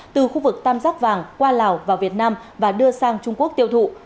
từ khu vực tam giác vàng qua lào vào việt nam và đưa sang trung quốc tiêu thụ